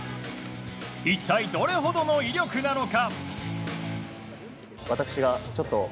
一体、どれほどの威力なのか。